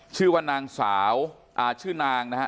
ชื่อว่านางสาวชื่อนางนะฮะ